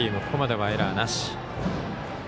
ここまではエラーなし。